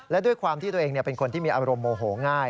และด้วยความที่ตัวเองเป็นคนที่มีอารมณ์โมโหง่าย